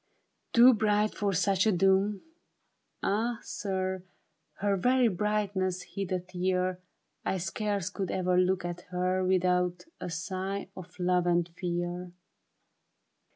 Too bright for such a doom ? Ah sir, Her very brightness hid a tear ; I scarce could ever look at her Without a sigh of love and fear.